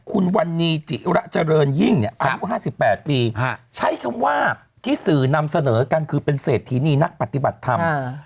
คุณวันนีจิระเจริญยิ่งเนี่ยอายุ๕๘ปีใช้คำว่าที่สื่อนำเสนอกันคือเป็นเศรษฐีนีนักปฏิบัติธรรม